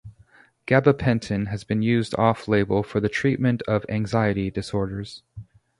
Gabapentin has been used off label for the treatment of anxiety disorders.